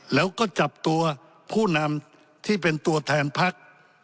แล้วก็จับตัวผู้นำที่เป็นตัวแทนพัก